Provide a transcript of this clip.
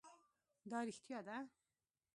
دا رښتيا ده؟